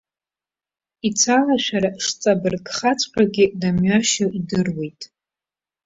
Ицәалашәара шҵабыргхаҵәҟьогьы дымҩашьо идыруеит.